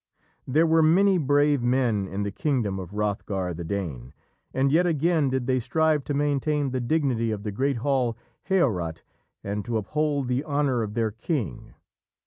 There were many brave men in the kingdom of Hrothgar the Dane, and yet again did they strive to maintain the dignity of the great hall, Heorot, and to uphold the honour of their king.